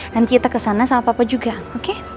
kita kesana sama papa juga oke